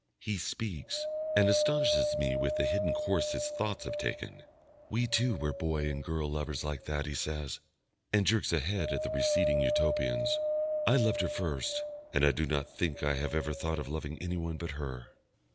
He speaks, and astonishes me with the hidden course his thoughts have taken. "We two were boy and girl lovers like that," he says, and jerks a head at the receding Utopians. "I loved her first, and I do not think I have ever thought of loving anyone but her."